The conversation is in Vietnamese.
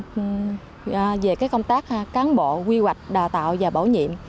đẩy mạnh về cái công tác cán bộ quy hoạch đào tạo và bảo nhiệm